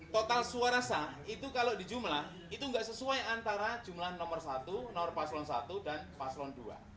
total suara sah itu kalau di jumlah itu nggak sesuai antara jumlah nomor satu nomor paslon satu dan paslon dua